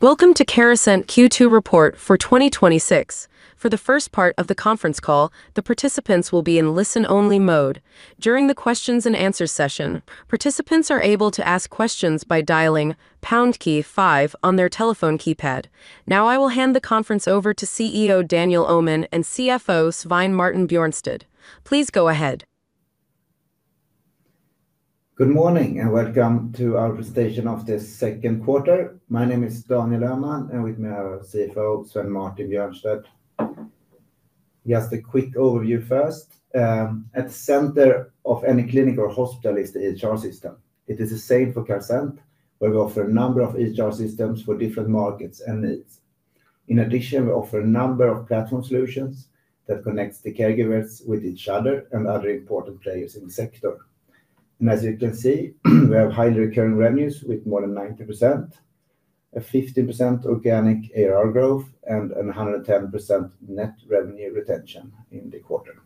Welcome to Carasent Q2 Report for 2026. For the first part of the conference call, the participants will be in listen-only mode. During the questions and answers session, participants are able to ask questions by dialing pound key five on their telephone keypad. I will hand the conference over to CEO Daniel Öhman and CFO Svein Martin Bjørnstad. Please go ahead. Good morning, welcome to our presentation of the second quarter. My name is Daniel Öhman, with me, our CFO, Svein Martin Bjørnstad. A quick overview first. At the center of any clinic or hospital is the EHR system. It is the same for Carasent, where we offer a number of EHR systems for different markets and needs. In addition, we offer a number of platform solutions that connect the caregivers with each other and other important players in the sector. As you can see, we have high recurring revenues with more than 90%, a 15% organic ARR growth, and 110% net revenue retention in the quarter.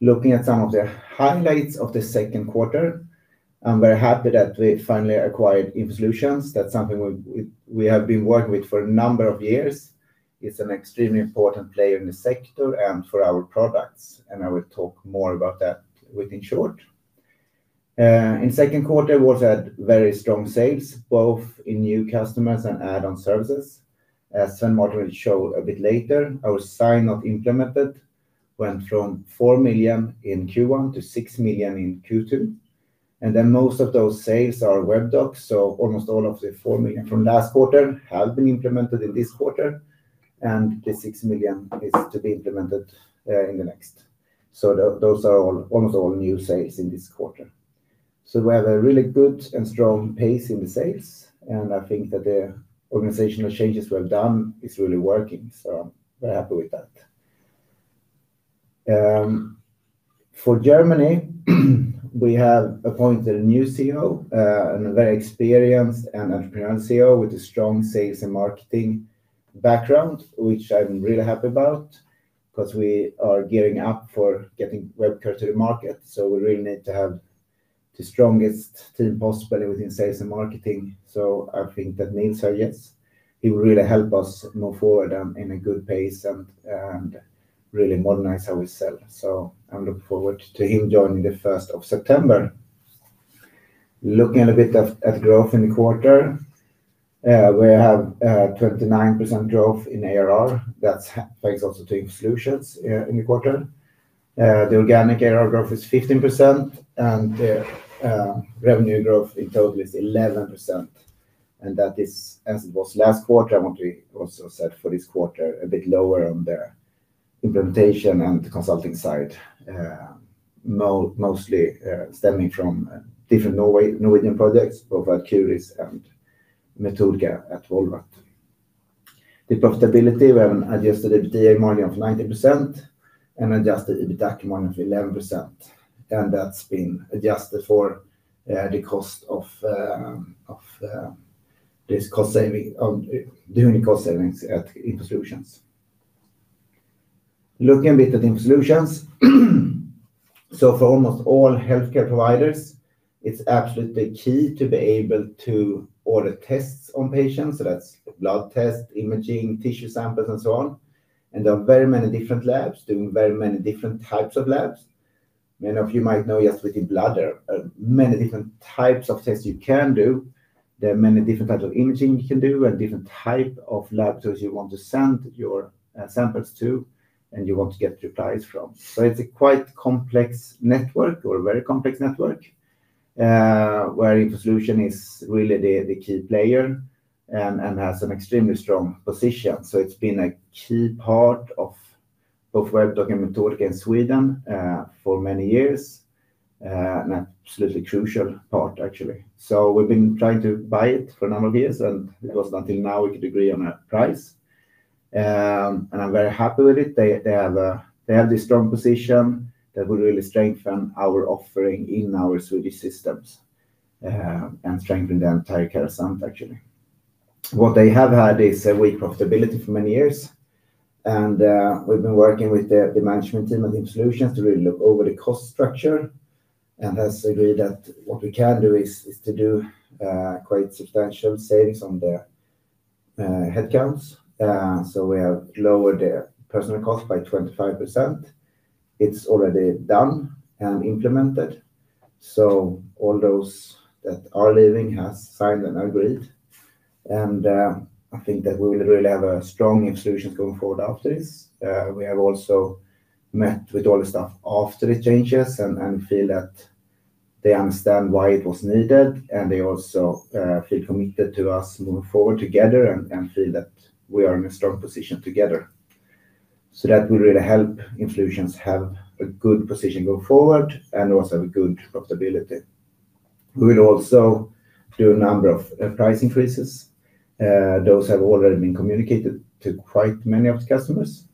Looking at some of the highlights of the second quarter, I am very happy that we finally acquired InfoSolutions. That is something we have been working with for a number of years. It is an extremely important player in the sector and for our products. I will talk more about that within short. In the second quarter, we had very strong sales, both in new customers and add-on services. As Svein Martin will show a bit later, our signed not implemented went from 4 million in Q1 to 6 million in Q2. Most of those sales are Webdoc, almost all of the 4 million from last quarter have been implemented in this quarter, the 6 million is to be implemented in the next. Those are almost all new sales in this quarter. We have a really good and strong pace in the sales, I think that the organizational changes we have done is really working, I am very happy with that. For Germany, we have appointed a new CEO, a very experienced and entrepreneurial CEO with a strong sales and marketing background, which I am really happy about because we are gearing up for getting Webcur to the market. We really need to have the strongest team possible within sales and marketing. So I think that, he will really help us move forward in a good pace and really modernize how we sell. I look forward to him joining the 1st of September. Looking a bit at growth in the quarter, we have 29% growth in ARR. That is thanks also to InfoSolutions in the quarter. The organic ARR growth is 15%, the revenue growth in total is 11%. That is, as it was last quarter, what we also said for this quarter, a bit lower on the implementation and consulting side. Mostly stemming from different Norwegian projects, both Ad Curis and Metodika at Volvat. The profitability, we have an adjusted EBITDA margin of 90% and adjusted EBITDAC margin of 11%, and that's been adjusted for the cost of doing cost savings at InfoSolutions. Looking a bit at InfoSolutions. For almost all healthcare providers, it's absolutely key to be able to order tests on patients, so that's blood tests, imaging, tissue samples, and so on. And there are very many different labs doing very many different types of labs. Many of you might know just within blood there are many different types of tests you can do. There are many different types of imaging you can do and different type of labs which you want to send your samples to and you want to get replies from. It's a quite complex network, or a very complex network, where InfoSolutions is really the key player and has an extremely strong position. It's been a key part of both Webdoc and Metodika in Sweden for many years, an absolutely crucial part, actually. We've been trying to buy it for a number of years, and it wasn't until now we could agree on a price. And I'm very happy with it. They have this strong position that will really strengthen our offering in our Swedish systems, and strengthen the entire Carasent, actually. What they have had is a weak profitability for many years, and we've been working with the management team at InfoSolutions to really look over the cost structure, and has agreed that what we can do is to do quite substantial savings on the headcounts. We have lowered their personal cost by 25%. It's already done and implemented. All those that are leaving have signed and agreed. And I think that we will really have a strong InfoSolutions going forward after this. We have also met with all the staff after the changes and feel that they understand why it was needed, and they also feel committed to us moving forward together and feel that we are in a strong position together. That will really help InfoSolutions have a good position going forward and also a good profitability. We will also do a number of price increases. Those have already been communicated to quite many of the customers,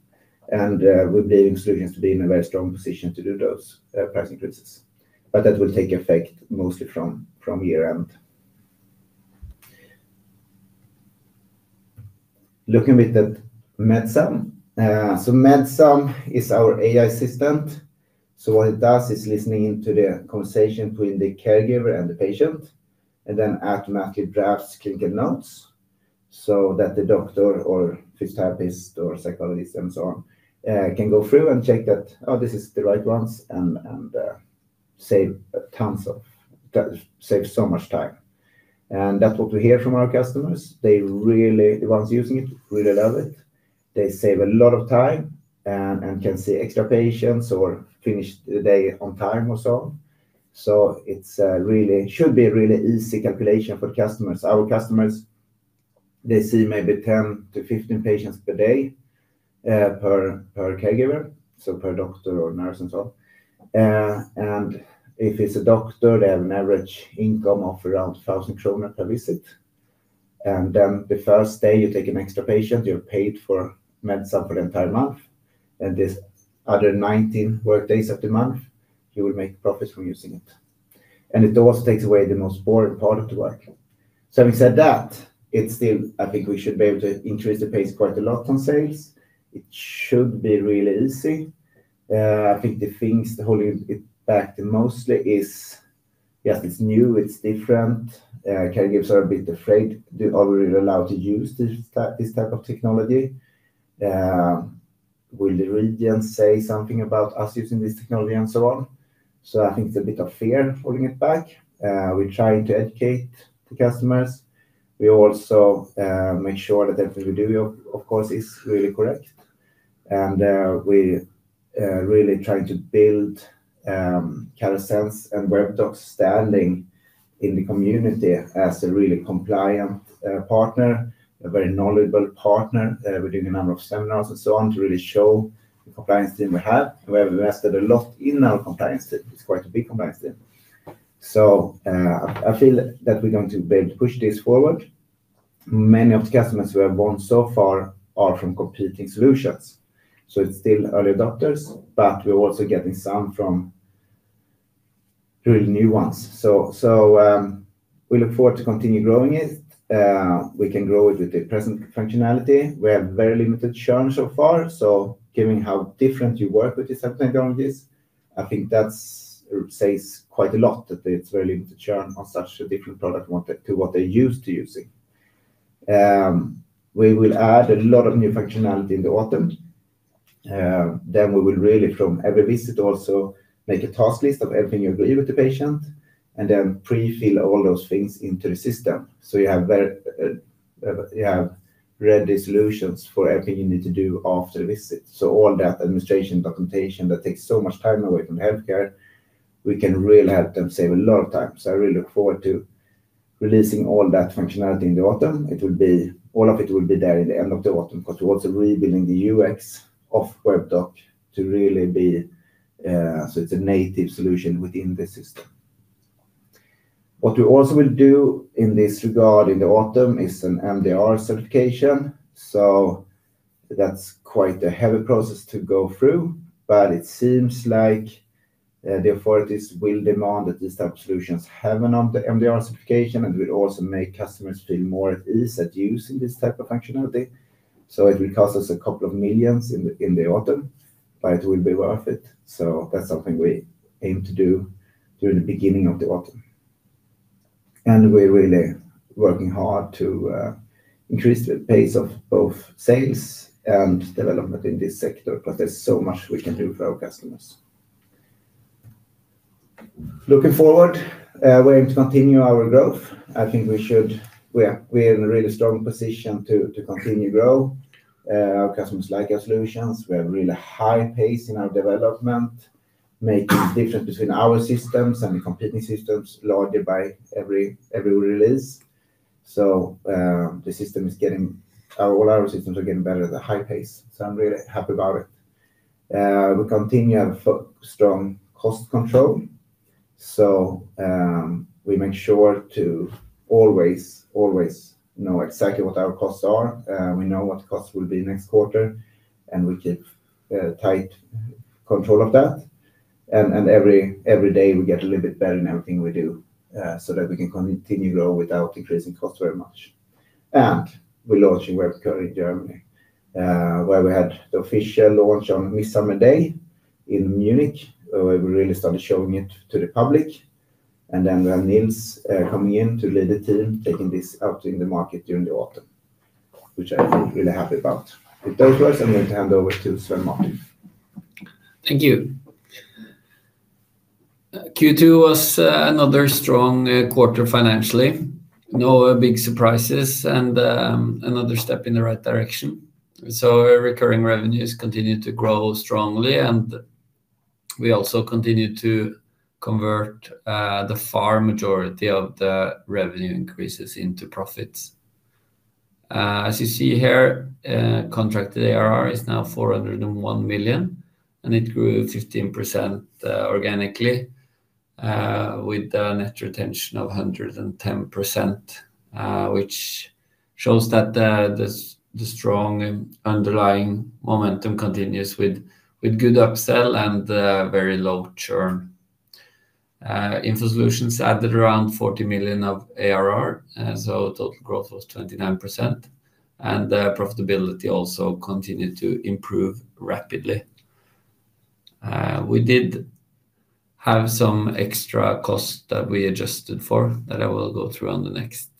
and we believe InfoSolutions to be in a very strong position to do those price increases. But that will take effect mostly from year-end. Looking at Medsum. Medsum is our AI assistant. What it does is listening in to the conversation between the caregiver and the patient, and then automatically drafts clinical notes so that the doctor or physiotherapist or psychologist and so on can go through and check that, oh, this is the right ones, and saves so much time. And that's what we hear from our customers. The ones using it really love it. They save a lot of time and can see extra patients or finish the day on time and so on. It should be a really easy calculation for customers. Our customers, they see maybe 10 to 15 patients per day, per caregiver, so per doctor or nurse and so on. And if it's a doctor, they have an average income of around 1,000 kronor per visit. Then the first day you take an extra patient, you're paid for Medsum for the entire month. These other 19 work days of the month, you will make profits from using it. It also takes away the most boring part of the work. Having said that, I think we should be able to increase the pace quite a lot on sales. It should be really easy. I think the things holding it back mostly is, yes, it's new, it's different. Caregivers are a bit afraid. Are we really allowed to use this type of technology? Will the region say something about us using this technology and so on? I think it's a bit of fear holding it back. We're trying to educate the customers. We also make sure that everything we do, of course, is really correct. We really try to build Carasent and Webdoc's standing in the community as a really compliant partner, a very knowledgeable partner. We're doing a number of seminars and so on to really show the compliance team we have. We have invested a lot in our compliance team. It's quite a big compliance team. I feel that we're going to be able to push this forward. Many of the customers we have won so far are from competing solutions, so it's still early adopters, but we're also getting some from really new ones. We look forward to continue growing it. We can grow it with the present functionality. We have very limited churn so far. Given how different you work with these types of technologies, I think that says quite a lot that it's very limited churn on such a different product to what they're used to using. We will add a lot of new functionality in the autumn. We will really, from every visit, also make a task list of everything you agree with the patient, and then pre-fill all those things into the system. You have ready solutions for everything you need to do after the visit. All that administration documentation that takes so much time away from healthcare, we can really help them save a lot of time. I really look forward to releasing all that functionality in the autumn. All of it will be there in the end of the autumn because we're also rebuilding the UX of Webdoc to really be so it's a native solution within the system. What we also will do in this regard in the autumn is an MDR certification. That's quite a heavy process to go through, but it seems like the authorities will demand that these type of solutions have an MDR certification and will also make customers feel more at ease at using this type of functionality. It will cost us a couple of millions in the autumn, but it will be worth it. That's something we aim to do during the beginning of the autumn. We're really working hard to increase the pace of both sales and development in this sector because there's so much we can do for our customers. Looking forward, we're going to continue our growth. I think we're in a really strong position to continue to grow. Our customers like our solutions. We have a really high pace in our development, making difference between our systems and the competing systems largely by every release. All our systems are getting better at a high pace, so I'm really happy about it. We continue our strong cost control. We make sure to always know exactly what our costs are. We know what the costs will be next quarter, and we keep tight control of that. Every day we get a little bit better in everything we do, so that we can continue to grow without increasing cost very much. We're launching Webcur in Germany, where we had the official launch on Midsummer Day in Munich, where we really started showing it to the public. We have Nils coming in to lead the team, taking this out in the market during the autumn, which I feel really happy about. With that, I'm going to hand over to Svein Martin. Thank you. Q2 was another strong quarter financially. No big surprises and another step in the right direction. Our recurring revenues continued to grow strongly, and we also continued to convert the far majority of the revenue increases into profits. As you see here, contracted ARR is now 401 million, and it grew 15% organically, with a net retention of 110%, which shows that the strong underlying momentum continues with good upsell and very low churn. InfoSolutions added around 40 million of ARR, total growth was 29%, and profitability also continued to improve rapidly. We did have some extra costs that we adjusted for that I will go through on the next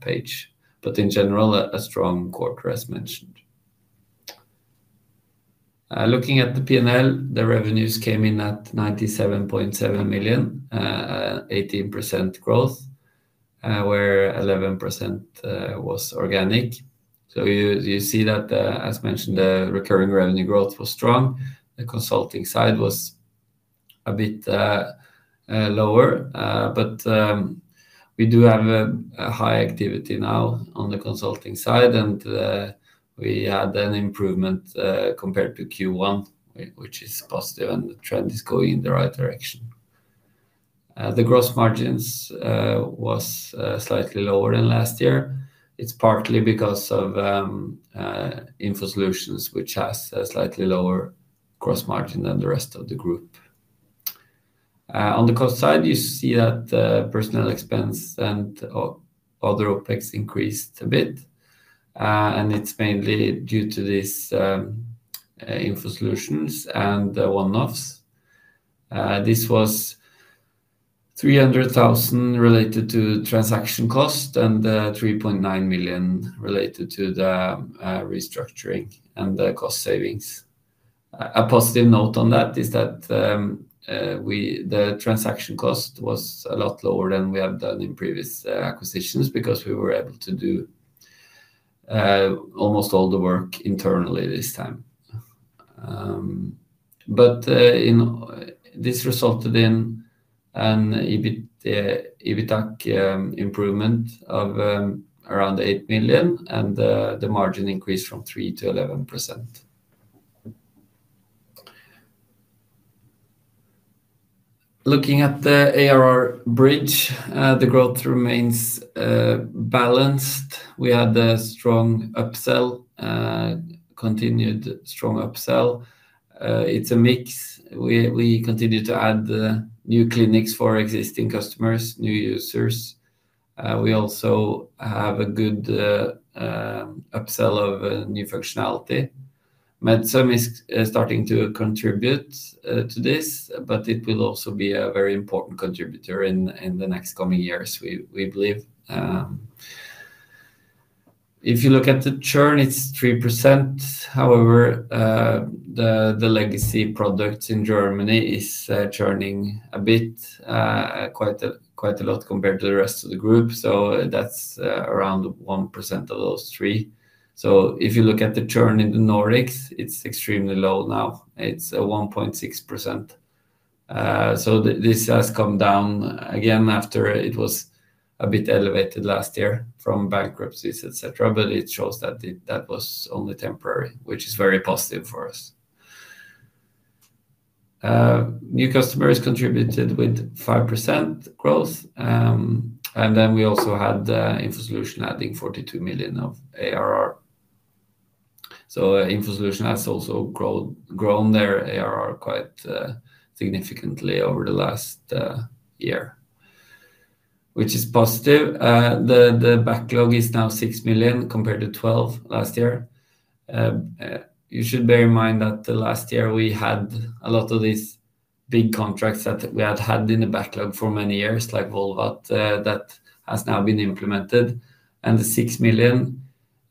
page. In general, a strong quarter as mentioned. Looking at the P&L, the revenues came in at 97.7 million, 18% growth, where 11% was organic. You see that, as mentioned, the recurring revenue growth was strong. The consulting side was a bit lower. We do have a high activity now on the consulting side, and we had an improvement compared to Q1, which is positive, and the trend is going in the right direction. The gross margins was slightly lower than last year. It's partly because of InfoSolutions, which has a slightly lower gross margin than the rest of the group. On the cost side, you see that personnel expense and other OpEx increased a bit, and it's mainly due to this InfoSolutions and one-offs. This was 300,000 related to transaction cost and 3.9 million related to the restructuring and the cost savings. A positive note on that is that the transaction cost was a lot lower than we have done in previous acquisitions because we were able to do almost all the work internally this time. This resulted in an EBITDA improvement of around 8 million, and the margin increased from 3% to 11%. Looking at the ARR bridge, the growth remains balanced. We had a strong upsell, continued strong upsell. It's a mix. We continue to add new clinics for existing customers, new users. We also have a good upsell of new functionality. Medsum is starting to contribute to this, but it will also be a very important contributor in the next coming years, we believe. If you look at the churn, it's 3%. However, the legacy products in Germany is churning a bit, quite a lot compared to the rest of the group. That's around 1% of those three. If you look at the churn in the Nordics, it's extremely low now. It's 1.6%. This has come down again after it was a bit elevated last year from bankruptcies, et cetera. It shows that that was only temporary, which is very positive for us. New customers contributed with 5% growth. We also had InfoSolutions adding 42 million of ARR. InfoSolutions has also grown their ARR quite significantly over the last year, which is positive. The backlog is now 6 million compared to 12 million last year. You should bear in mind that last year we had a lot of these big contracts that we had had in the backlog for many years, like Volvat, that has now been implemented. The 6 million,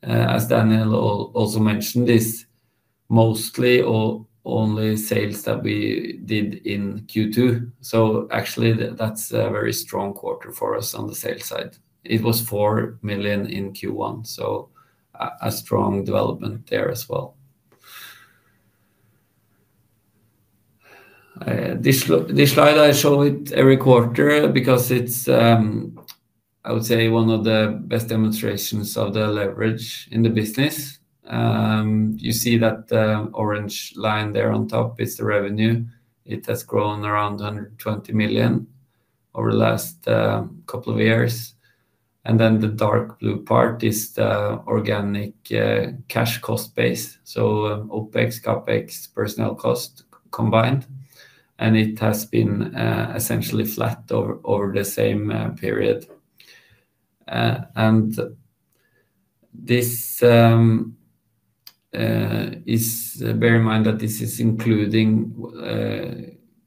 as Daniel also mentioned, is mostly or only sales that we did in Q2. Actually, that's a very strong quarter for us on the sales side. It was 4 million in Q1, a strong development there as well. This slide, I show it every quarter because it's, I would say, one of the best demonstrations of the leverage in the business. You see that orange line there on top is the revenue. It has grown around 120 million over the last couple of years. The dark blue part is the organic cash cost base. OpEx, CapEx, personnel cost combined, it has been essentially flat over the same period. Bear in mind that this is including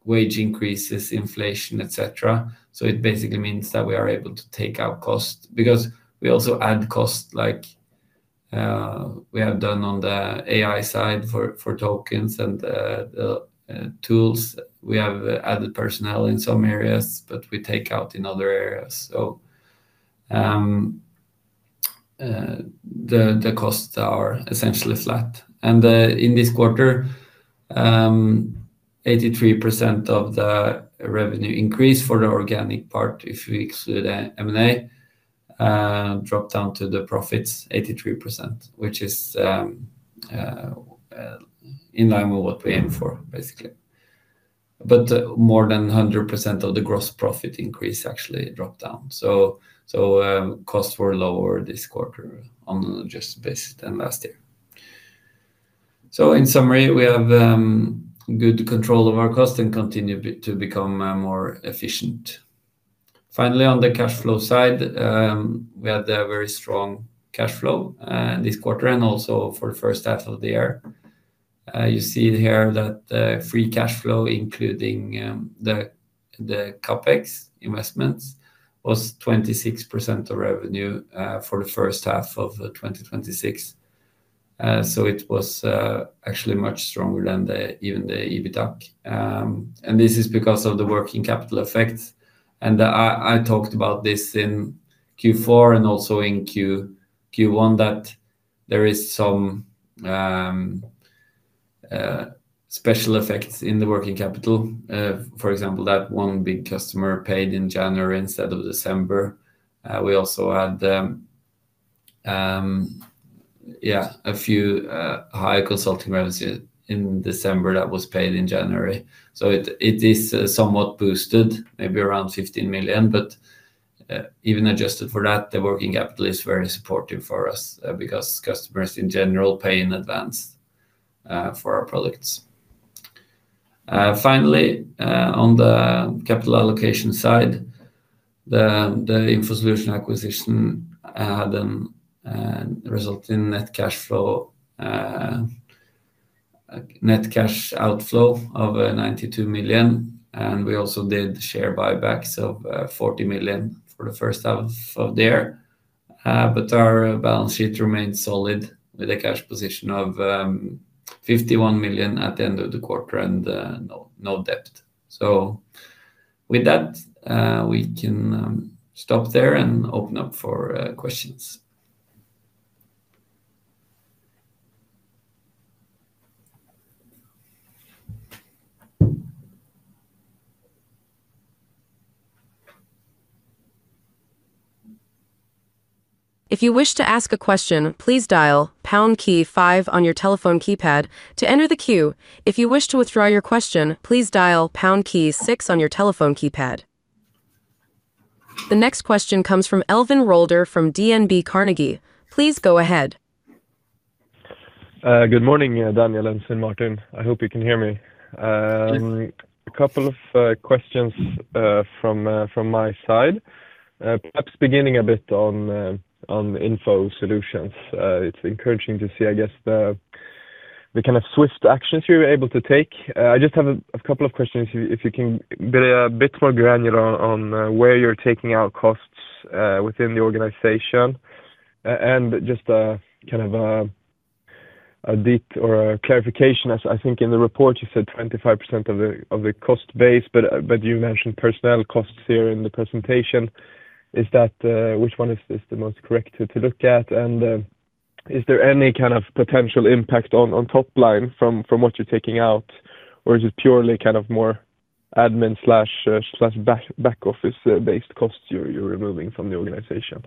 wage increases, inflation, et cetera. It basically means that we are able to take out cost because we also add cost like we have done on the AI side for tokens and the tools. We have added personnel in some areas, we take out in other areas. The costs are essentially flat. In this quarter, 83% of the revenue increase for the organic part, if we exclude M&A, dropped down to the profits, 83%, which is in line with what we aim for, basically. More than 100% of the gross profit increase actually dropped down. Costs were lower this quarter on an adjusted basis than last year. In summary, we have good control of our cost and continue to become more efficient. Finally, on the cash flow side, we had a very strong cash flow this quarter and also for the first half of the year. You see here that the free cash flow, including the CapEx investments, was 26% of revenue for the first half of 2026. It was actually much stronger than even the EBITDAC. This is because of the working capital effect. I talked about this in Q4 and also in Q1, that there is some special effects in the working capital. For example, that one big customer paid in January instead of December. We also had a few higher consulting revenues in December that was paid in January. It is somewhat boosted, maybe around 15 million. Even adjusted for that, the working capital is very supportive for us because customers in general pay in advance for our products. Finally, on the capital allocation side, the InfoSolutions acquisition had a result in net cash outflow of 92 million, and we also did share buybacks of 40 million for the first half of the year. Our balance sheet remained solid with a cash position of 51 million at the end of the quarter and no debt. With that, we can stop there and open up for questions. If you wish to ask a question, please dial pound key five on your telephone keypad to enter the queue. If you wish to withdraw your question, please dial pound key six on your telephone keypad. The next question comes from Elvin Rolder from DNB Carnegie. Please go ahead. Good morning, Daniel and Svein Martin. I hope you can hear me. Yes. A couple of questions from my side. Perhaps beginning a bit on InfoSolutions. It's encouraging to see, I guess, the kind of swift actions you were able to take. I just have a couple of questions, if you can be a bit more granular on where you're taking out costs within the organization and just a kind of a clarification, as I think in the report, you said 25% of the cost base, but you mentioned personnel costs here in the presentation. Which one is the most correct to look at? Is there any kind of potential impact on top line from what you're taking out? Or is it purely more admin/back office-based costs you're removing from the organization?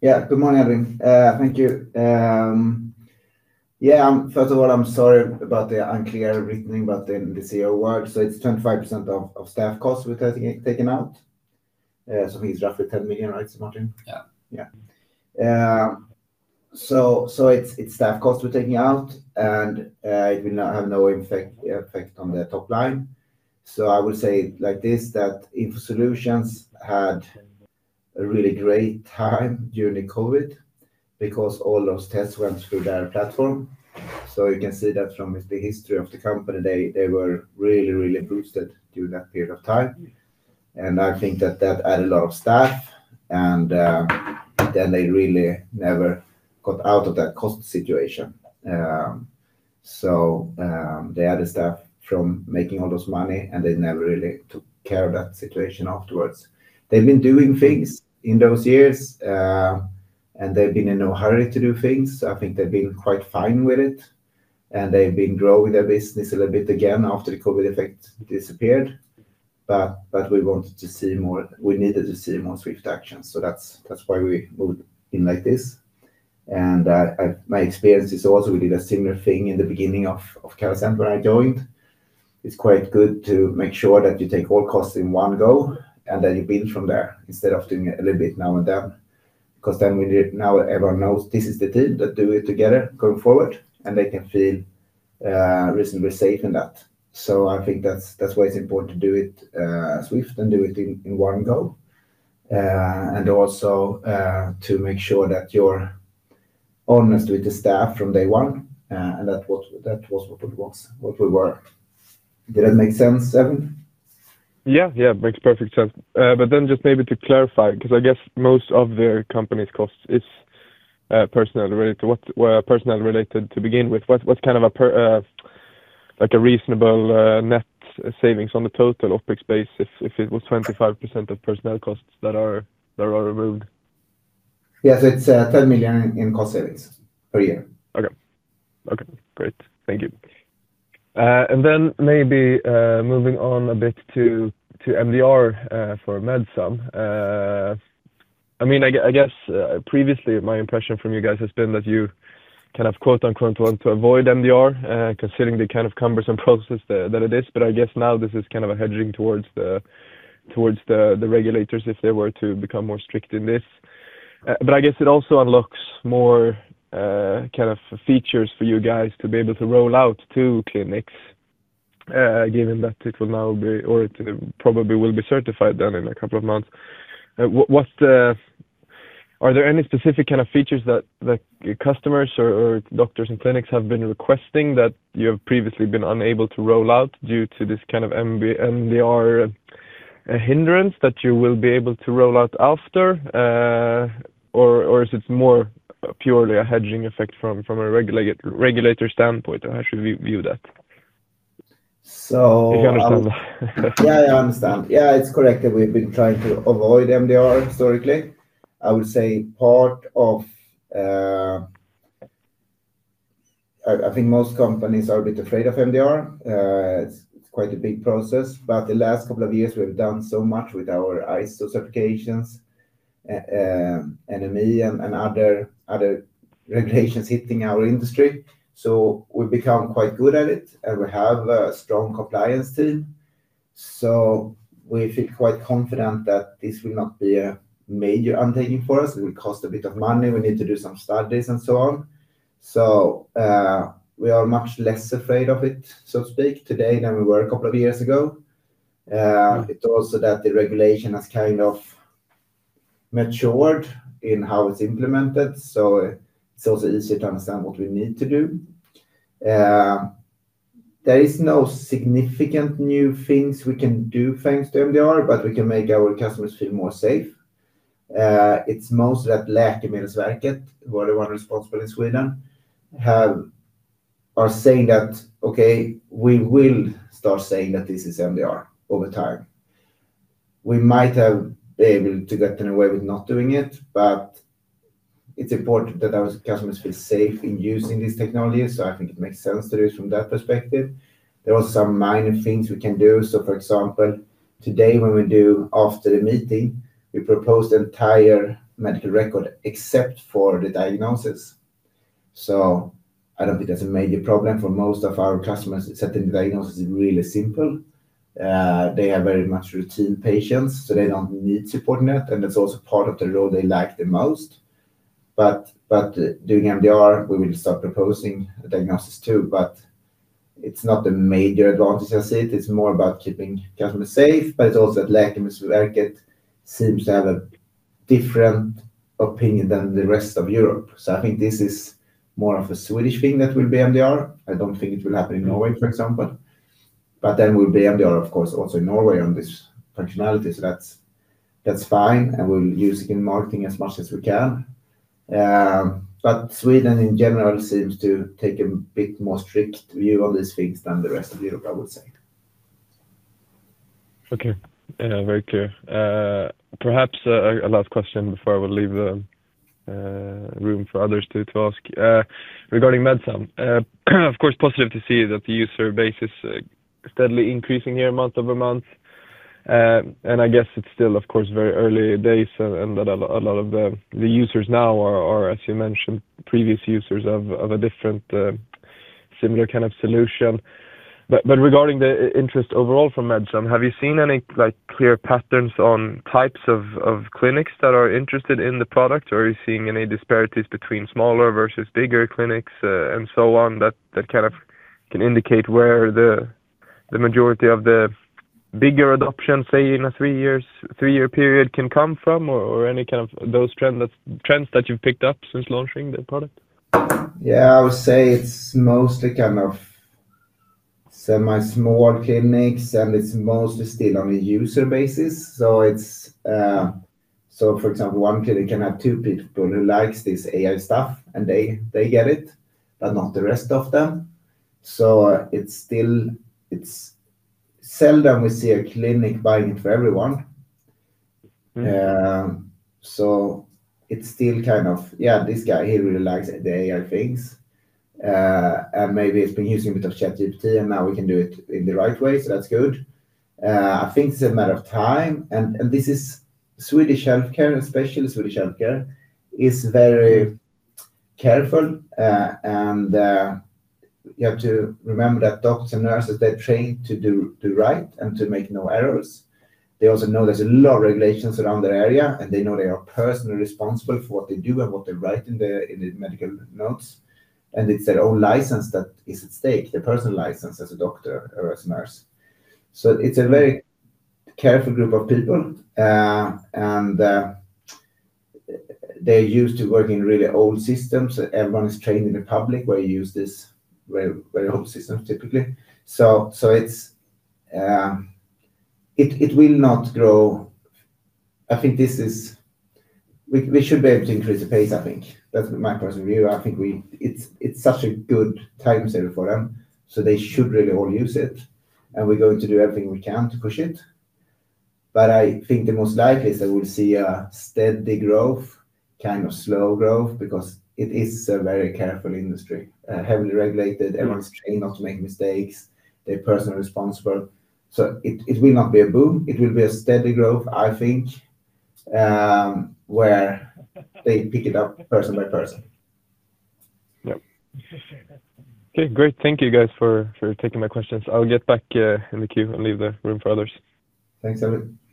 Good morning, Elvin. Thank you. First of all, I'm sorry about the unclear reasoning, in the CEO work, it's 25% of staff costs we're taking out. I think it's roughly 10 million, right, Svein Martin? Yeah. It's staff costs we're taking out. It will have no effect on the top line. I will say it like this, that InfoSolutions had a really great time during the COVID because all those tests went through their platform. You can see that from the history of the company, they were really boosted during that period of time. I think that that added a lot of staff. They really never got out of that cost situation. They added staff from making all this money. They never really took care of that situation afterwards. They've been doing things in those years. They've been in no hurry to do things. I think they've been quite fine with it. They've been growing their business a little bit again after the COVID effect disappeared. We needed to see more swift action. That's why we moved in like this. My experience is also, we did a similar thing in the beginning of Carasent when I joined. It's quite good to make sure that you take all costs in one go. You build from there instead of doing a little bit now and then, because then now everyone knows this is the team that do it together going forward. They can feel reasonably safe in that. I think that's why it's important to do it swift. Do it in one go. Also to make sure that you're honest with the staff from day one. That was what it was, what we were. Did that make sense, Elvin? Yeah. Makes perfect sense. Just maybe to clarify, because I guess most of their company's costs, it's personnel related to begin with. What's a reasonable net savings on the total OpEx base if it was 25% of personnel costs that are removed? Yeah. It's 10 million in cost savings per year. Okay, great. Thank you. Maybe moving on a bit to MDR for Medsum. I guess previously, my impression from you guys has been that you quote-unquote, want to avoid MDR considering the cumbersome process that it is. I guess now this is a hedging towards the regulators if they were to become more strict in this. I guess it also unlocks more features for you guys to be able to roll out to clinics, given that it probably will be certified then in a couple of months. Are there any specific features that customers or doctors and clinics have been requesting that you have previously been unable to roll out due to this MDR hindrance that you will be able to roll out after? Or is it more purely a hedging effect from a regulator standpoint? How should we view that? So- If you understand that. I understand. It's correct that we've been trying to avoid MDR historically. I think most companies are a bit afraid of MDR. It's quite a big process. The last couple of years, we've done so much with our ISO certifications, NME, and other regulations hitting our industry. We've become quite good at it, and we have a strong compliance team. We feel quite confident that this will not be a major undertaking for us. It will cost a bit of money. We need to do some studies and so on. We are much less afraid of it, so to speak, today than we were a couple of years ago. It's also that the regulation has matured in how it's implemented, so it's also easier to understand what we need to do. There is no significant new things we can do thanks to MDR, but we can make our customers feel more safe. It's mostly that Läkemedelsverket, who are the one responsible in Sweden, are saying that, "Okay, we will start saying that this is MDR over time." We might have been able to get away with not doing it, but it's important that our customers feel safe in using these technologies. I think it makes sense to do it from that perspective. There are some minor things we can do. For example, today when we do after the meeting, we propose the entire medical record except for the diagnosis. I don't think that's a major problem for most of our customers, except the diagnosis is really simple. They are very much routine patients, so they don't need support net, and that's also part of the role they like the most. Doing MDR, we will start proposing a diagnosis too. It's not a major advantage I see. It's more about keeping customers safe, but it's also that Läkemedelsverket seems to have a different opinion than the rest of Europe. I think this is more of a Swedish thing that will be MDR. I don't think it will happen in Norway, for example. Then we'll be MDR, of course, also in Norway on this functionality. That's fine, and we'll use it in marketing as much as we can. Sweden in general seems to take a bit more strict view on these things than the rest of Europe, I would say. Okay. Very clear. Perhaps a last question before I will leave room for others to ask regarding Medsum. Of course, positive to see that the user base is steadily increasing here month-over-month. I guess it's still, of course, very early days and that a lot of the users now are, as you mentioned, previous users of a different similar kind of solution. Regarding the interest overall from Medsum, have you seen any clear patterns on types of clinics that are interested in the product? Or are you seeing any disparities between smaller versus bigger clinics and so on that can indicate where the majority of the bigger adoption, say, in a three-year period can come from or any those trends that you've picked up since launching the product? Yeah, I would say it's mostly semi-small clinics, and it's mostly still on a user basis. For example, one clinic can have two people who likes this AI stuff, and they get it, but not the rest of them. It's seldom we see a clinic buying it for everyone. It's still, yeah, this guy, he really likes the AI things. Maybe he's been using a bit of ChatGPT, and now we can do it in the right way, that's good. I think it's a matter of time, this is Swedish healthcare, and especially Swedish healthcare is very careful. You have to remember that doctors and nurses, they're trained to do right and to make no errors. They also know there's a lot of regulations around their area, and they know they are personally responsible for what they do and what they write in the medical notes. It's their own license that is at stake, their personal license as a doctor or as a nurse. It's a very careful group of people. They're used to working in really old systems. Everyone is trained in the public where you use this very old systems, typically. It will not grow. We should be able to increase the pace, I think. That's my personal view. It's such a good time saver for them, they should really all use it, and we're going to do everything we can to push it. I think the most likely is that we'll see a steady growth, slow growth because it is a very careful industry, heavily regulated. Everyone's trained not to make mistakes. They're personally responsible. It will not be a boom. It will be a steady growth, I think. Where they pick it up person by person. Yep. Okay, great. Thank you guys for taking my questions. I'll get back in the queue and leave the room for others. Thanks, Elvin. The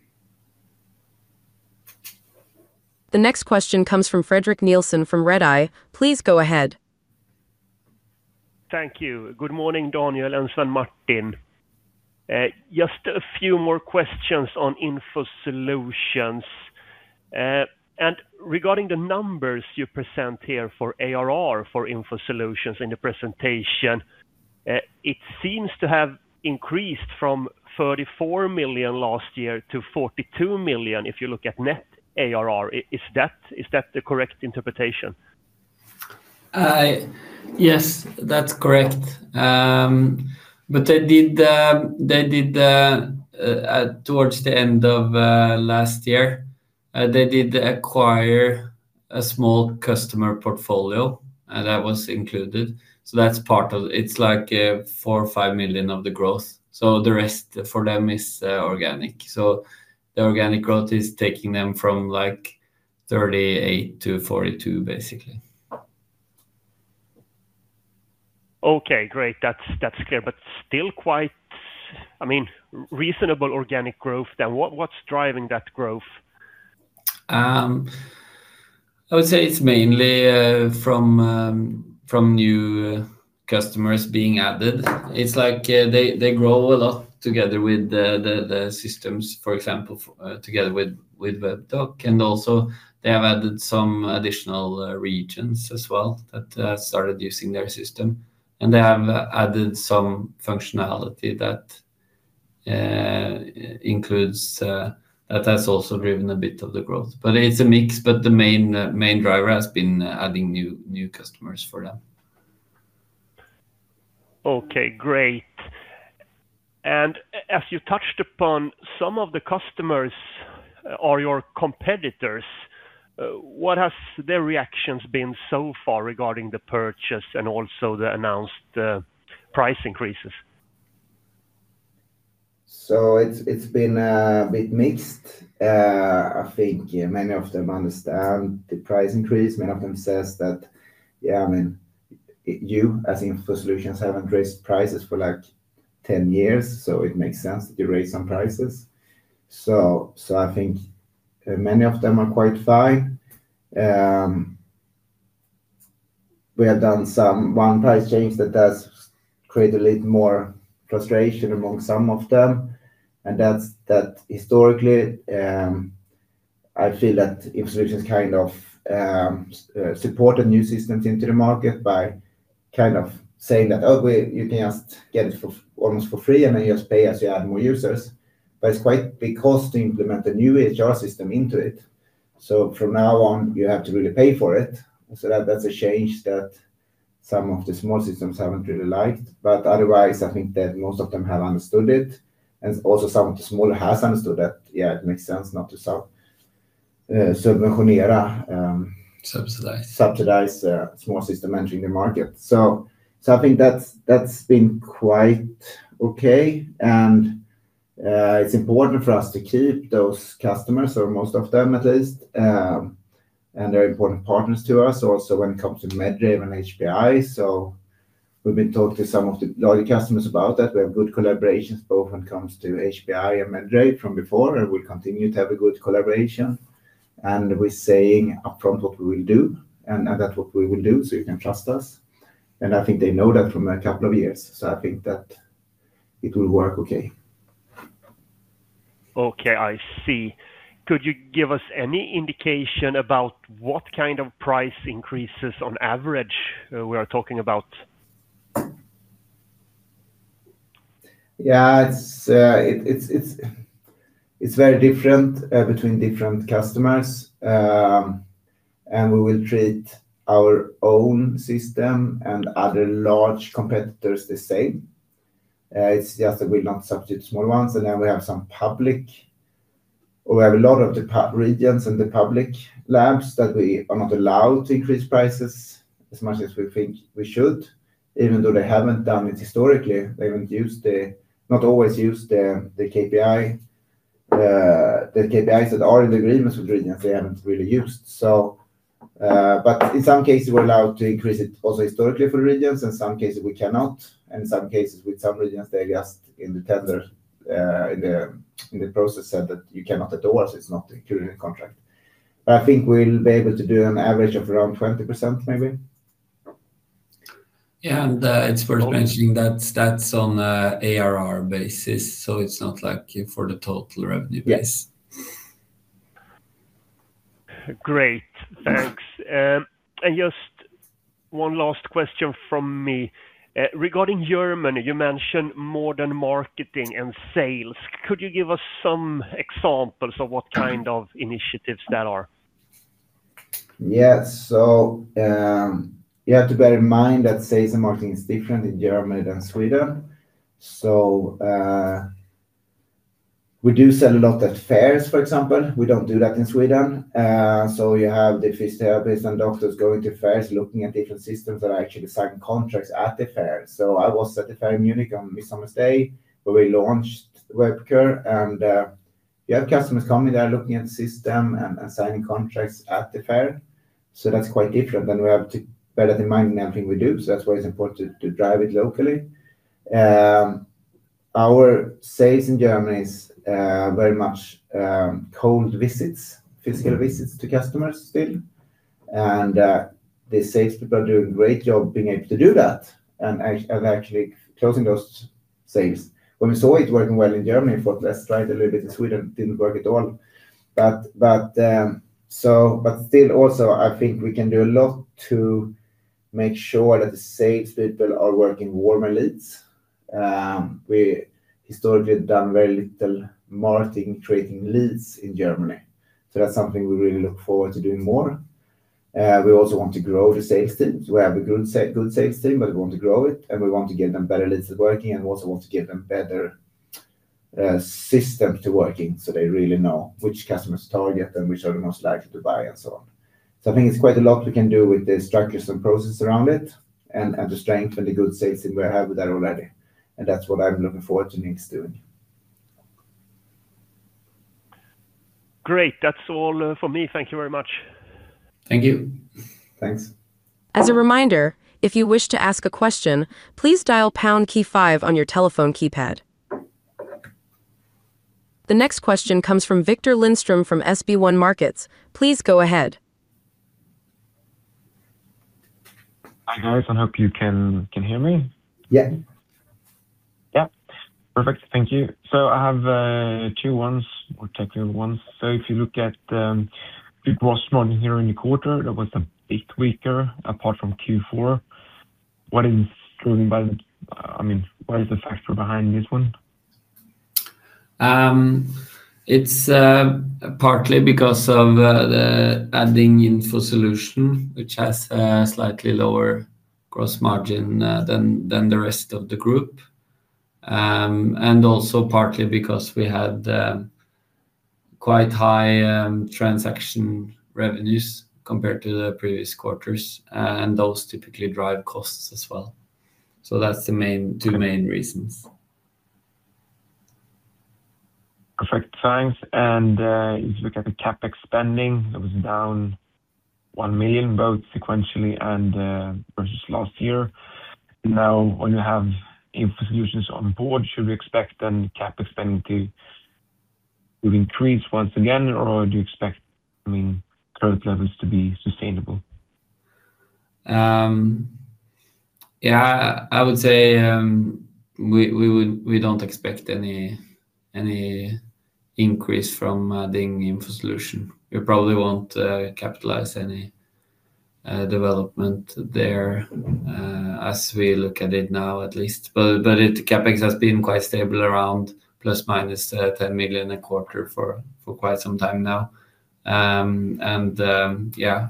next question comes from Fredrik Nilsson from Redeye. Please go ahead. Thank you. Good morning, Daniel and Svein Martin. Just a few more questions on InfoSolutions. Regarding the numbers you present here for ARR for InfoSolutions in the presentation, it seems to have increased from 34 million last year to 42 million, if you look at net ARR. Is that the correct interpretation? Yes, that's correct. Towards the end of last year, they did acquire a small customer portfolio, and that was included. That's part of it. It's like 4 or 5 million of the growth. The rest for them is organic. The organic growth is taking them from 38 million-42 million, basically. Okay, great. That's clear, still reasonable organic growth. What's driving that growth? I would say it's mainly from new customers being added. It's like they grow a lot together with the systems. For example, together with Webdoc, they have added some additional regions as well that started using their system. They have added some functionality that has also driven a bit of the growth. It's a mix, the main driver has been adding new customers for them. Okay, great. As you touched upon some of the customers or your competitors, what has their reactions been so far regarding the purchase also the announced price increases? It's been a bit mixed. I think many of them understand the price increase. Many of them say that, "You as InfoSolutions haven't raised prices for 10 years, it makes sense that you raise some prices." I think many of them are quite fine. We have done one price change that does create a little more frustration among some of them, and that historically, I feel that InfoSolutions kind of supported new systems into the market by kind of saying that, "Oh, you can just get it almost for free, and then you just pay as you add more users." It's quite big cost to implement a new EHR system into it. From now on, you have to really pay for it. That's a change that some of the small systems haven't really liked. Otherwise, I think that most of them have understood it, and also some of the smaller has understood that, yeah, it makes sense not to Subsidize. Subsidize small system entering the market. I think that's been quite okay, and it's important for us to keep those customers, or most of them at least. They're important partners to us also when it comes to Medrave and HPI. We've been talking to some of the larger customers about that. We have good collaborations, both when it comes to HPI and Medrave from before, and we continue to have a good collaboration. We're saying upfront what we will do, and that's what we will do, so you can trust us. I think they know that from a couple of years. I think that it will work okay. Okay, I see. Could you give us any indication about what kind of price increases on average we are talking about? It is very different between different customers. We will treat our own system and other large competitors the same. It is just that we will not subsidize small ones. We have a lot of the regions and the public labs that we are not allowed to increase prices as much as we think we should, even though they have not done it historically. They have not always used the KPIs that are in the agreements with regions, they have not really used. In some cases, we are allowed to increase it also historically for regions, in some cases we cannot, and in some cases with some regions, they just in the tender, in the process said that you cannot at all, so it is not included in the contract. I think we will be able to do an average of around 20%, maybe. It is worth mentioning that is on an ARR basis, so it is not like for the total revenue base. Yes. Great. Thanks. Just one last question from me. Regarding Germany, you mentioned modern marketing and sales. Could you give us some examples of what kind of initiatives there are? Yes. You have to bear in mind that sales and marketing is different in Germany than Sweden. We do sell a lot at fairs, for example. We do not do that in Sweden. You have the physiotherapists and doctors going to fairs, looking at different systems that are actually signing contracts at the fair. I was at the fair in Munich on Midsummer Day, where we launched Webcur, and you have customers coming there looking at the system and signing contracts at the fair. That is quite different than we have to bear that in mind in everything we do. That is why it is important to drive it locally. Our sales in Germany is very much cold visits, physical visits to customers still. The sales people are doing a great job being able to do that and actually closing those sales. When we saw it working well in Germany, we thought, let's try it a little bit in Sweden. Didn't work at all. Still also, I think we can do a lot to make sure that the sales people are working warmer leads. We historically have done very little marketing creating leads in Germany. That's something we really look forward to doing more. We also want to grow the sales teams. We have a good sales team, but we want to grow it, and we want to get them better leads working, and we also want to get them better systems to working, so they really know which customers to target and which are the most likely to buy and so on. I think it's quite a lot we can do with the structures and process around it and the strength and the good sales team we have there already, and that's what I'm looking forward to next doing. Great. That's all for me. Thank you very much. Thank you. Thanks. As a reminder, if you wish to ask a question, please dial pound key five on your telephone keypad. The next question comes from Viktor Lindström from SB1 Markets. Please go ahead. Hi, guys. Hope you can hear me. Yeah. Perfect. Thank you. I have two ones or technical ones. If you look at group gross margin here in the quarter, that was a bit weaker apart from Q4. What is the factor behind this one? It's partly because of the adding InfoSolutions, which has a slightly lower gross margin than the rest of the group. Also partly because we had quite high transaction revenues compared to the previous quarters, those typically drive costs as well. That's the two main reasons. Perfect. Thanks. If you look at the CapEx spending, that was down 1 million, both sequentially and versus last year. When you have InfoSolutions on board, should we expect the CapEx spending to increase once again, or do you expect current levels to be sustainable? Yeah, I would say we don't expect any increase from adding InfoSolutions. We probably won't capitalize any development there, as we look at it now, at least. The CapEx has been quite stable around ±10 million a quarter for quite some time now. Yeah,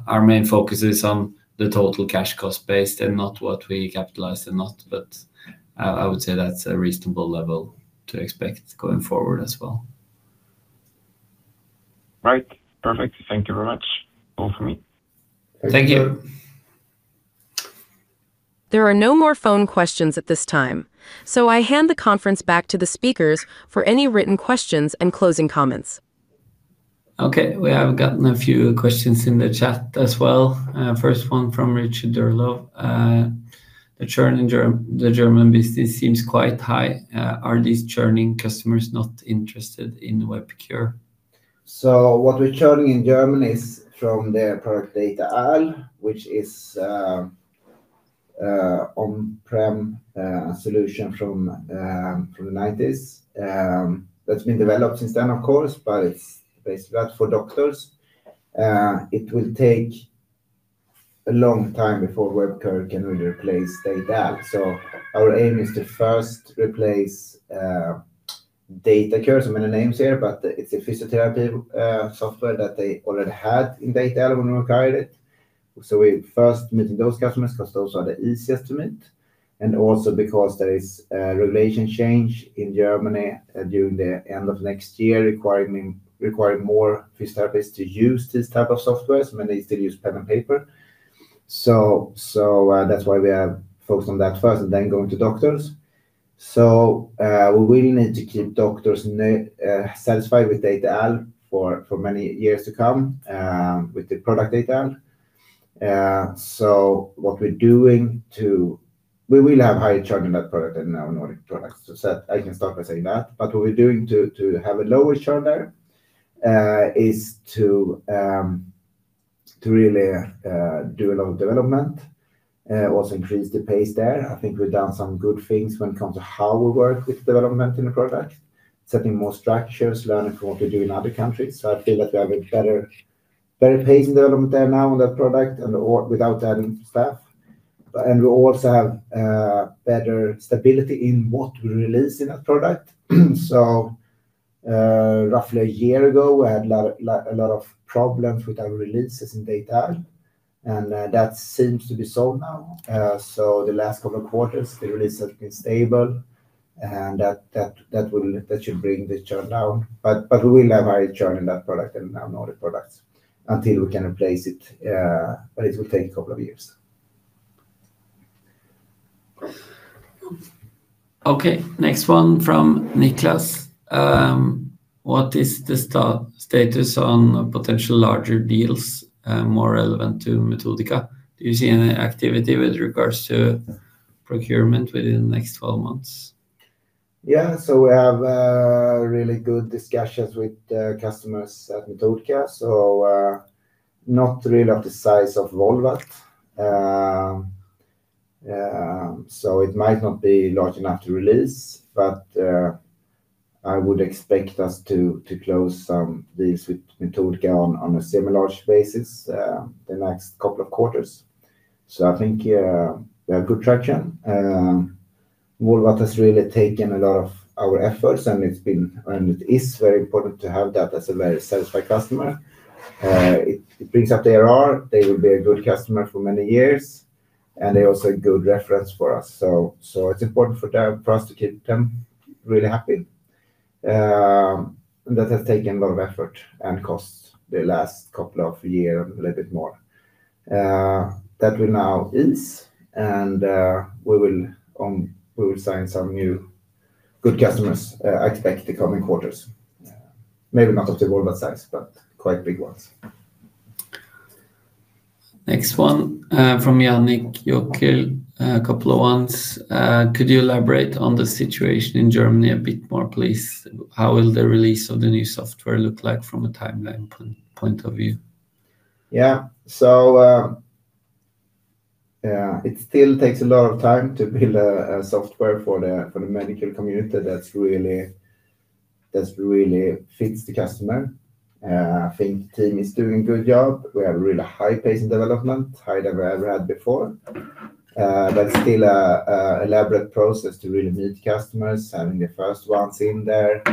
our main focus is on the total cash cost base and not what we capitalize, but I would say that's a reasonable level to expect going forward as well. Right. Perfect. Thank you very much. All for me. Thank you. There are no more phone questions at this time, I hand the conference back to the speakers for any written questions and closing comments. Okay. We have gotten a few questions in the chat as well. First one from Richard Durlow. The churn in the German business seems quite high. Are these churning customers not interested in Webcur? What we're churning in Germany is from their product Data-AL, which is on-prem solution from the '90s. That's been developed since then, of course, but it's basically that for doctors. It will take a long time before Webcur can really replace Data-AL. Our aim is to first replace Data-CUR. Many names here, but it's a physiotherapy software that they already had in Data-AL when we acquired it. We're first meeting those customers because those are the easiest to meet, and also because there is a regulation change in Germany during the end of next year, requiring more physiotherapists to use this type of software. Many still use pen and paper. That's why we have focused on that first and then going to doctors. We really need to keep doctors satisfied with Data-AL for many years to come, with the product Data-AL. We will have high churn in that product and in our Nordic products. I can start by saying that. What we're doing to have a lower churn there is to really do a lot of development, also increase the pace there. I think we've done some good things when it comes to how we work with development in the product, setting more structures, learning from what we do in other countries. I feel that we have a better pace in development there now on that product and without adding staff. We also have better stability in what we release in that product. Roughly a year ago, we had a lot of problems with our releases in Data-AL, and that seems to be solved now. The last couple of quarters, the releases have been stable, and that should bring the churn down. We will have high churn in that product and in our Nordic products until we can replace it, but it will take a couple of years. Okay, next one from Niklas. What is the status on potential larger deals more relevant to Metodika? Do you see any activity with regards to procurement within the next 12 months? Yeah. We have really good discussions with the customers at Metodika, not really of the size of Volvat. It might not be large enough to release, but I would expect us to close some deals with Metodika on a semi large basis the next couple of quarters. I think we have good traction. Volvat has really taken a lot of our efforts, and it is very important to have that as a very satisfied customer. It brings up their ARR, they will be a good customer for many years, and they are also a good reference for us. It is important for us to keep them really happy. That has taken a lot of effort and costs the last couple of year, a little bit more. That will now ease and we will sign some new good customers, I expect the coming quarters. Maybe not of the Volvo size, but quite big ones. Next one from Yannick Jokel, a couple of ones. Could you elaborate on the situation in Germany a bit more, please? How will the release of the new software look like from a timeline point of view? Yeah. It still takes a lot of time to build a software for the medical community that really fits the customer. I think team is doing a good job. We have really high pace in development, higher than we ever had before. Still elaborate process to really meet customers, having the first ones in there,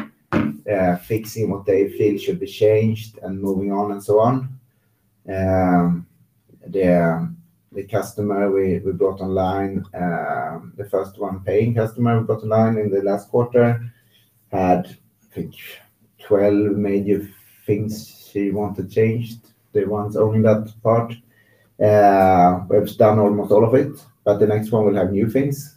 fixing what they feel should be changed and moving on and so on. The customer we brought online, the first one paying customer we brought online in the last quarter, had, I think, 12 major things she want to change. The ones owning that part. We've done almost all of it, but the next one will have new things.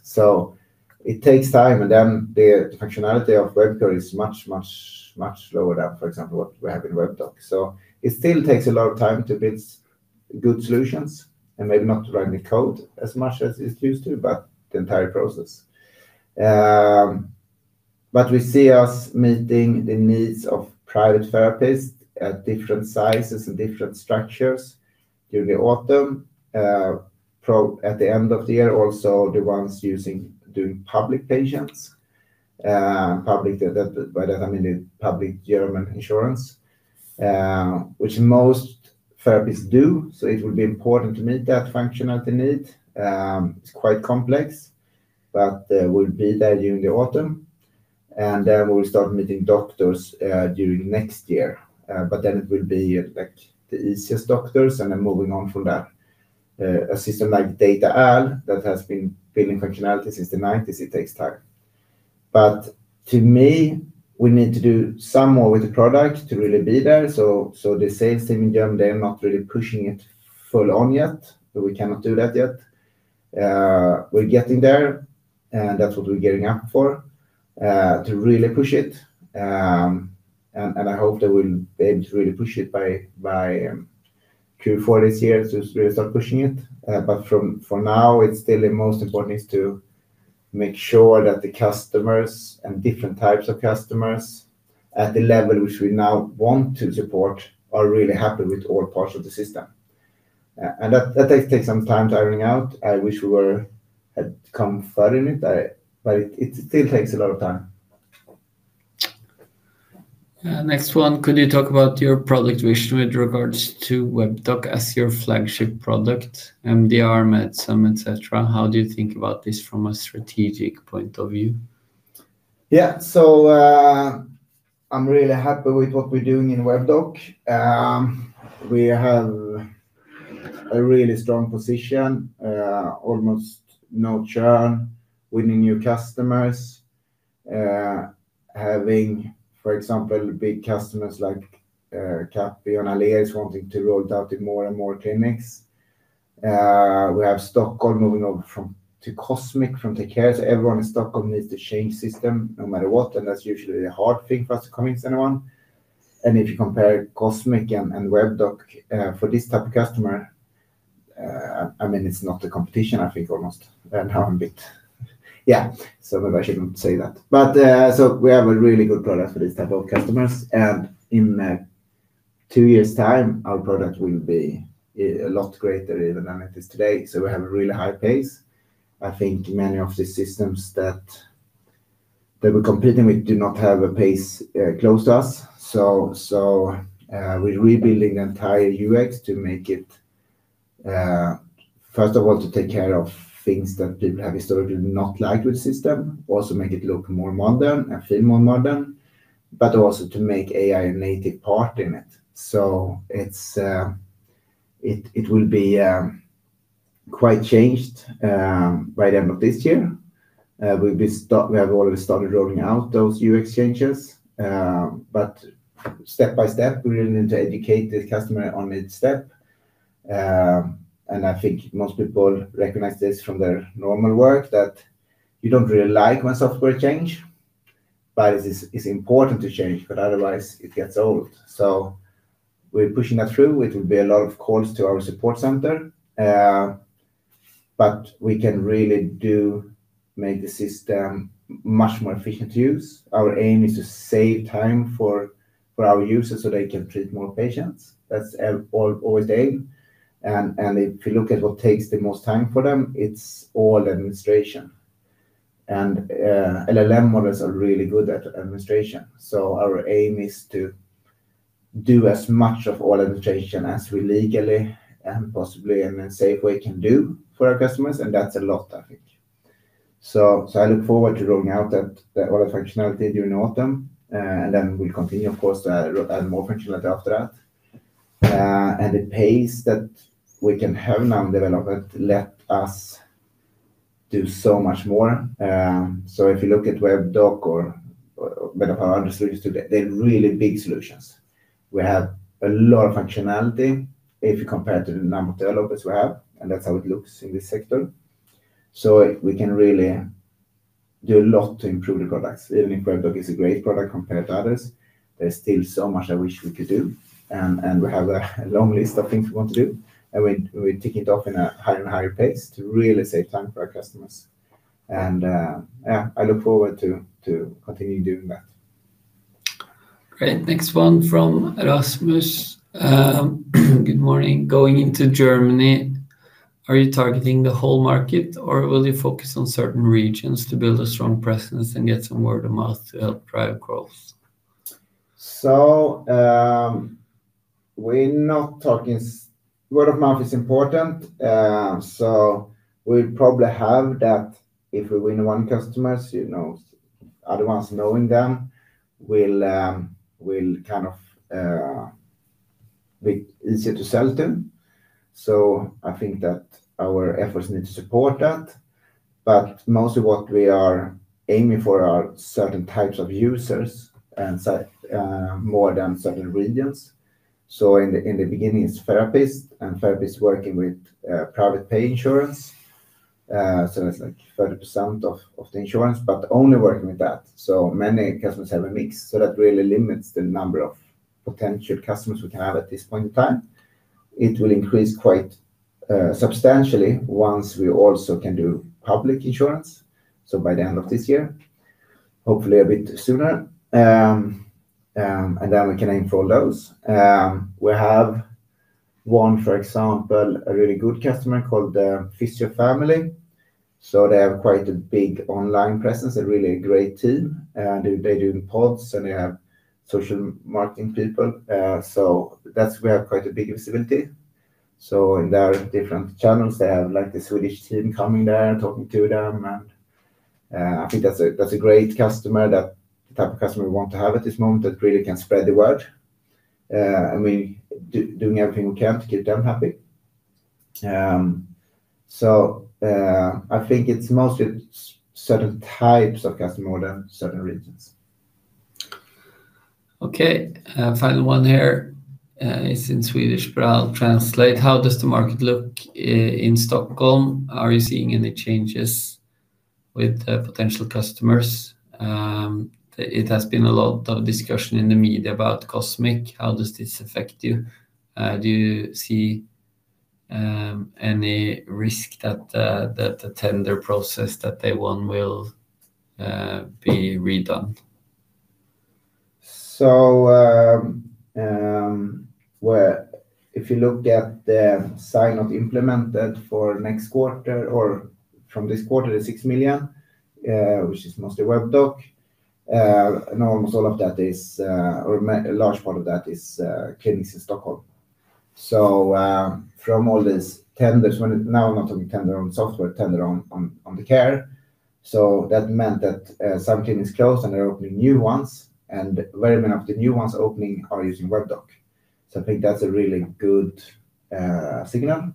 It takes time, and then the functionality of Webcur is much, much, much lower than, for example, what we have in Webdoc. It still takes a lot of time to build good solutions and maybe not to write any code as much as it used to, but the entire process. We see us meeting the needs of private therapists at different sizes and different structures during the autumn. At the end of the year, also the ones doing public patients. By that I mean the public German insurance, which most therapists do. It will be important to meet that functionality need. It's quite complex, but we'll be there during the autumn, and then we'll start meeting doctors during next year. It will be like the easiest doctors and then moving on from that. A system like Data-AL that has been building functionality since the '90s, it takes time. To me, we need to do some more with the product to really be there. The sales team in Germany are not really pushing it full on yet, but we cannot do that yet. We're getting there and that's what we're gearing up for, to really push it. I hope they will be able to really push it by Q4 this year, to really start pushing it. For now, it's still the most important is to make sure that the customers and different types of customers at the level which we now want to support are really happy with all parts of the system. That takes some time to iron out. I wish we had come further in it, but it still takes a lot of time. Next one. Could you talk about your product vision with regards to Webdoc as your flagship product, MDR, Medsum, et cetera? How do you think about this from a strategic point of view? Yeah. I'm really happy with what we're doing in Webdoc. We have a really strong position, almost no churn, winning new customers, having, for example, big customers like Capio and Aleris wanting to roll it out in more and more clinics. We have Stockholm moving over to Cosmic from TakeCare. Everyone in Stockholm needs to change system no matter what, and that's usually a hard thing for us to convince anyone. If you compare Cosmic and Webdoc, for this type of customer, it's not a competition, I think almost. Maybe I shouldn't say that. We have a really good product for this type of customers, and in two years time, our product will be a lot greater even than it is today. We have a really high pace. I think many of the systems that we're competing with do not have a pace close to us. We're rebuilding the entire UX to make it, first of all, to take care of things that people have historically not liked with system. Also make it look more modern and feel more modern, but also to make AI a native part in it. It will be quite changed, by the end of this year. We have already started rolling out those UX changes. Step by step, we really need to educate the customer on each step I think most people recognize this from their normal work, that you don't really like when software change, but it's important to change, because otherwise it gets old. We're pushing that through. It will be a lot of calls to our support center, but we can really do make the system much more efficient to use. Our aim is to save time for our users so they can treat more patients. That's always the aim. If you look at what takes the most time for them, it's all administration. LLM models are really good at administration. Our aim is to do as much of all administration as we legally and possibly in a safe way can do for our customers, and that's a lot, I think. I look forward to rolling out all the functionality during autumn, we'll continue, of course, to add more functionality after that. The pace that we can have now in development let us do so much more. If you look at Webdoc or many of our other solutions today, they're really big solutions. We have a lot of functionality if you compare to the number of developers we have. That's how it looks in this sector. We can really do a lot to improve the products. Even if Webdoc is a great product compared to others, there's still so much I wish we could do, and we have a long list of things we want to do. We're ticking it off in a higher and higher pace to really save time for our customers. I look forward to continuing doing that. Great. Next one from Erasmus. "Good morning. Going into Germany, are you targeting the whole market, or will you focus on certain regions to build a strong presence and get some word of mouth to help drive growth? Word of mouth is important. We probably have that if we win one customer, other ones knowing them will be easier to sell to. I think that our efforts need to support that. Mostly what we are aiming for are certain types of users, and more than certain regions. In the beginning, it's therapists and therapists working with private pay insurance. That's like 30% of the insurance, but only working with that. Many customers have a mix. That really limits the number of potential customers we can have at this point in time. It will increase quite substantially once we also can do public insurance. By the end of this year, hopefully a bit sooner, then we can aim for all those. We have one, for example, a really good customer called Physio Family. They have quite a big online presence, a really great team, and they do pods, and they have social marketing people. We have quite a big visibility. In their different channels, they have the Swedish team coming there and talking to them, and I think that's a great customer, that type of customer we want to have at this moment that really can spread the word. We're doing everything we can to keep them happy. I think it's mostly certain types of customer more than certain regions. Okay. Final one here. It's in Swedish, but I'll translate. "How does the market look in Stockholm? Are you seeing any changes with potential customers? It has been a lot of discussion in the media about Cosmic. How does this affect you? Do you see any risk that the tender process that they won will be redone? If you look at the sign-up implemented for next quarter or from this quarter is 6 million, which is mostly Webdoc. Almost all of that is, or a large part of that is clinics in Stockholm. From all these tenders, now I'm not talking tender on software, tender on the care. That meant that some clinics closed, and they're opening new ones, and very many of the new ones opening are using Webdoc. I think that's a really good signal.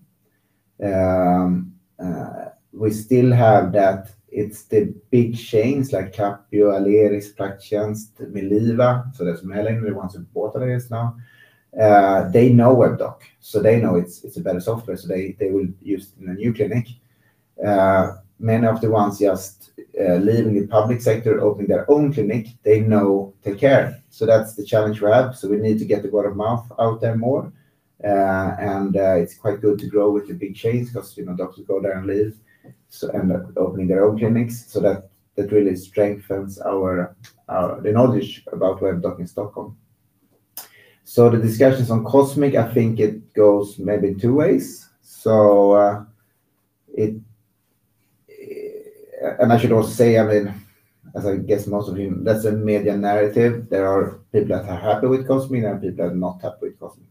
We still have that it's the big chains like Capio, Aleris, Praktikertjänst, Meliva, so there's many English ones in Stockholm now. They know Webdoc, they know it's a better software, they will use it in a new clinic. Many of the ones just leaving the public sector, opening their own clinic, they know TakeCare. That's the challenge we have. We need to get the word of mouth out there more. It's quite good to grow with the big chains because doctors go there and leave, end up opening their own clinics. That really strengthens the knowledge about Webdoc in Stockholm. The discussions on Cosmic, I think it goes maybe two ways. That's a media narrative. There are people that are happy with Cosmic and people that are not happy with Cosmic.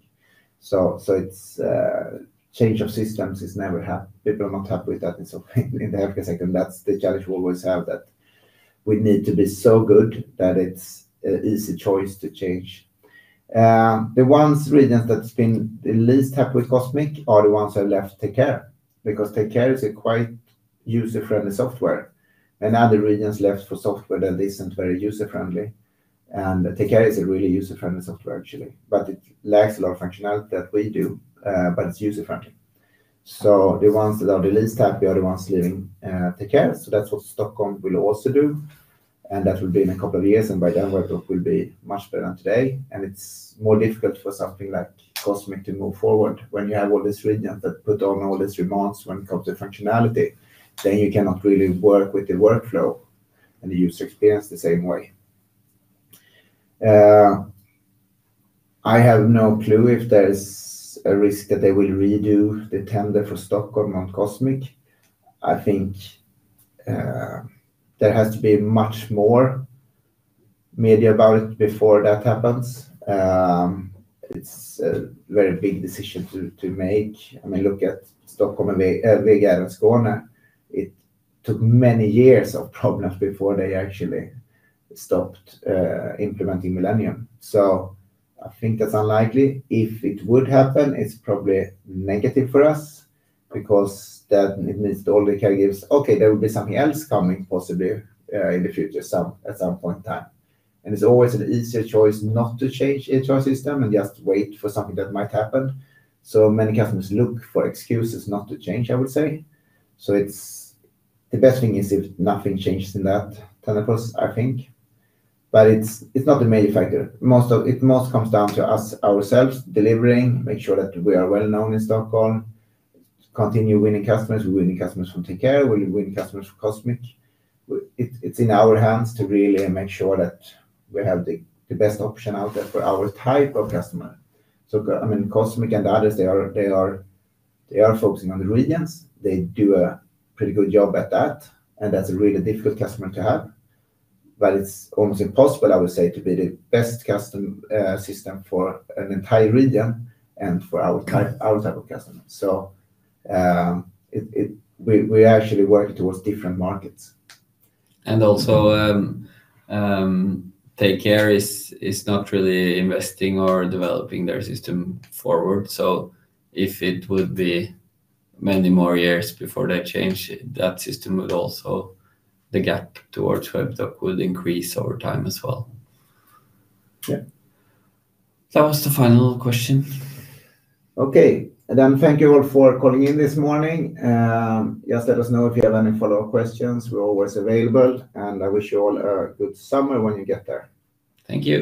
Change of systems, people are not happy with that in the healthcare sector, that's the challenge we always have, that we need to be so good that it's an easy choice to change. The ones, regions, that's been the least happy with Cosmic are the ones that left TakeCare because TakeCare is a quite user-friendly software, and other regions left for software that isn't very user-friendly. TakeCare is a really user-friendly software actually. It lacks a lot of functionality that we do, it's user-friendly. The ones that are the least happy are the ones leaving TakeCare. That's what Stockholm will also do, that will be in a couple of years, by then Webdoc will be much better than today. It's more difficult for something like Cosmic to move forward when you have all this region that put on all these demands when it comes to functionality, then you cannot really work with the workflow and the user experience the same way. I have no clue if there's a risk that they will redo the tender for Stockholm on Cosmic. I think there has to be much more media about it before that happens. It's a very big decision to make. Look at Stockholm and Västra Götaland. It took many years of problems before they actually stopped implementing Millennium. I think that's unlikely. If it would happen, it's probably negative for us because then it means to all the caregivers, okay, there will be something else coming possibly in the future at some point in time. It's always an easier choice not to change EHR system and just wait for something that might happen. Many customers look for excuses not to change, I would say. The best thing is if nothing changes in that 10 years, I think. It's not the main factor. It most comes down to us, ourselves, delivering, make sure that we are well-known in Stockholm, continue winning customers. We're winning customers from TakeCare. We're winning customers from Cosmic. It's in our hands to really make sure that we have the best option out there for our type of customer. Cosmic and the others, they are focusing on the regions. They do a pretty good job at that, and that's a really difficult customer to have. It's almost impossible, I would say, to be the best system for an entire region and for our type of customer. We actually work towards different markets. Also, TakeCare is not really investing or developing their system forward. If it would be many more years before they change that system would also, the gap towards Webdoc would increase over time as well. Yeah. That was the final question. Okay. Thank you all for calling in this morning. Just let us know if you have any follow-up questions. We are always available, and I wish you all a good summer when you get there. Thank you.